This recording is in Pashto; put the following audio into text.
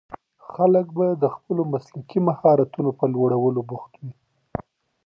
خلګ به د خپلو مسلکي مهارتونو په لوړولو بوخت وي.